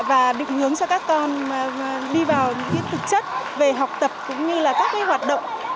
và định hướng cho các con đi vào những cái thực chất về học tập cũng như là các cái hoạt động